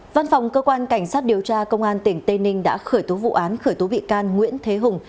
văn phòng cơ quan cảnh sát điều tra công an tỉnh tây ninh đã khởi tố vụ án khởi tố bị can nguyễn thế hùng